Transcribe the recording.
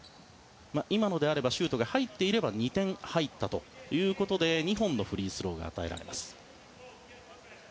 今のであればシュートが入っていれば２点入ったということで２本のフリースローが与えられます。